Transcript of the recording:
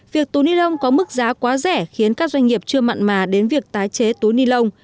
việc túi ni lông có mức giá quá rẻ khiến các doanh nghiệp chưa mặn mà đến việc tái chế túi ni lông